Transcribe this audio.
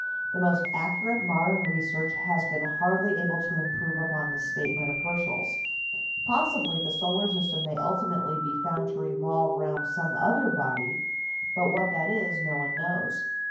The most accurate modern research has been hardly able to improve upon this statement of Herschel's. Possibly the solar system may ultimately be found to revolve round some other body, but what that is no one knows.